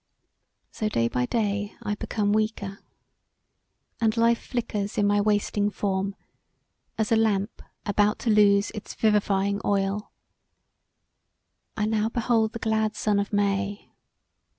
So day by day I become weaker, and life flickers in my wasting form, as a lamp about to loose it vivifying oil. I now behold the glad sun of May.